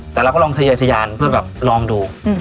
แต่เราก็ลองทยายอยทยานเพื่อลองดู